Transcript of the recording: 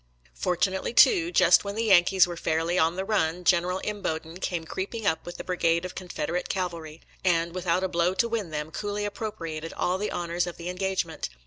Fortunately, too, just when the Yankees were fairly on the run. General Imboden came creeping up with a brigade of Confederate cav 136 SOLDIER'S LETTERS TO CHARMING NELLIE airy, and, without a blow to win them, coolly appropriated all the honors of the engagement.